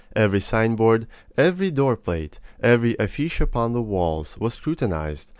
Every sign board, every door plate, every affiche upon the walls, was scrutinized.